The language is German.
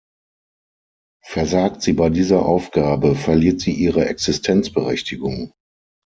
Versagt sie bei dieser Aufgabe, verliert sie ihre Existenzberechtigung.